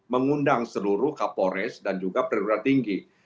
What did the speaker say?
mengundang seluruh kapolres dan juga perwira tinggi